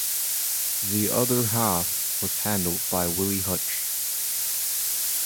The other half was handled by Willie Hutch.